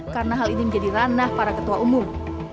karena hal ini menjadi ranah para ketua umum